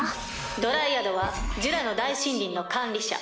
ドライアドはジュラの大森林の管理者。